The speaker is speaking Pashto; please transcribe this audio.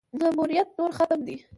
ماموریت نور ختم دی.